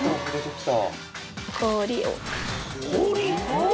氷？